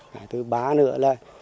thứ ba nữa là